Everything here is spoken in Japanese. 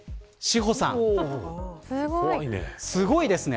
すごいですね。